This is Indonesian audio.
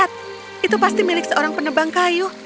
itu pasti milik seorang penebang kayu